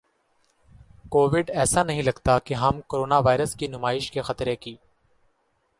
Covid ایسا نہیں لگتا کہ ہم کورونا وائرس کی نمائش کے خطرے ک